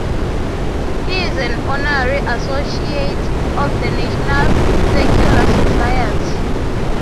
He is an Honorary Associate of the National Secular Society.